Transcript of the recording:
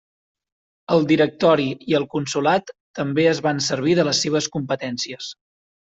El Directori i el Consolat també es van servir de les seves competències.